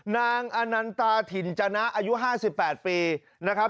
นางอนันตาถิ่นจนะอายุ๕๘ปีนะครับ